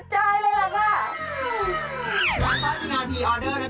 จัดสร้อยเป็นงานก็ตัวเอง